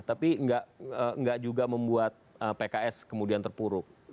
tapi nggak juga membuat pks kemudian terpuruk